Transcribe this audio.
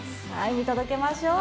見届けましょう。